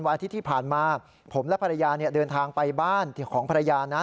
อาทิตย์ที่ผ่านมาผมและภรรยาเดินทางไปบ้านของภรรยานะ